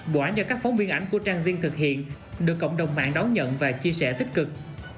bộ án do các phóng viên ảnh của trang riêng thực hiện được cộng đồng mạng đón nhận và chia sẻ tích cực